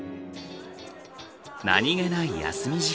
何気ない休み時間。